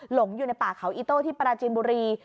หลงอยู่ในป่าเขาอิโต้ที่ปราจินบุรี